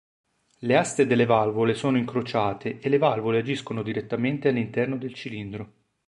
Le aste delle valvole sono incrociate e le valvole agiscono direttamente all'interno del cilindro.